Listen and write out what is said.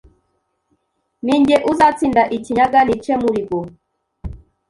Ni jye uzatsinda i Kinyaga nice Muligo;